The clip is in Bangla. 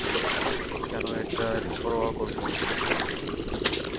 কেন এটার পরোয়া করব?